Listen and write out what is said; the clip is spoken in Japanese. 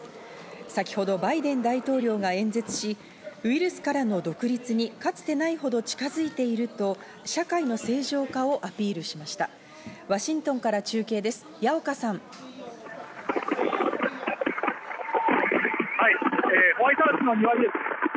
先ほどバイデン大統領が演説し、ウイルスからの独立にかつてないほど近づいていると社会の正常化をアピールしました。